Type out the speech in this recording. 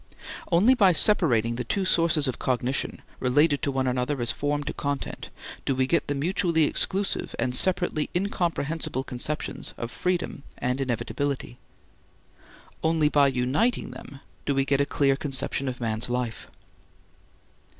Only by separating the two sources of cognition, related to one another as form to content, do we get the mutually exclusive and separately incomprehensible conceptions of freedom and inevitability. Only by uniting them do we get a clear conception of man's life.